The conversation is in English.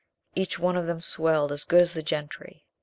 Each one of them swelled as good as the gentry.